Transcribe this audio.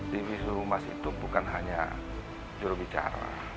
divisi humas itu bukan hanya jurubicara